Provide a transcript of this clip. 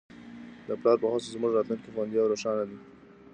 د پلار په هڅو زموږ راتلونکی خوندي او روښانه دی.